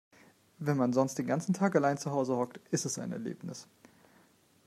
Wenn man sonst den ganzen Tag allein zu Hause hockt, ist es ein Erlebnis.